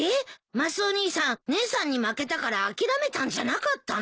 マスオ兄さん姉さんに負けたから諦めたんじゃなかったの？